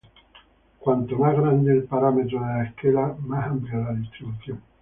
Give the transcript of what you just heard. Cuanto más grande el parámetro de la escala, más amplia la distribución.